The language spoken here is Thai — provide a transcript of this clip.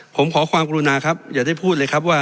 ผมขอความกรุณาครับอย่าได้พูดเลยครับว่า